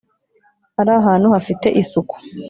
ari ahantu hafite isuku